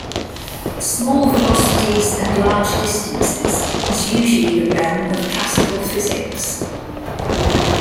Small velocities and large distances is usually the realm of classical physics.